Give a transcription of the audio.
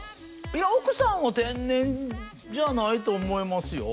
いや奥さんは天然じゃないと思いますよ